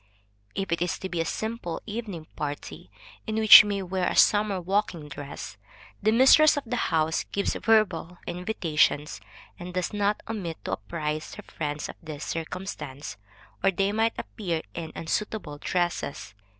If it is to be a simple evening party, in which we may wear a summer walking dress, the mistress of the house gives verbal invitations and does not omit to apprise her friends of this circumstance, or they might appear in unsuitable dresses.